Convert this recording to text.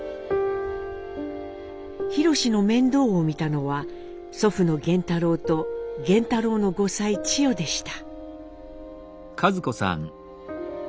宏の面倒を見たのは祖父の源太郎と源太郎の後妻チヨでした。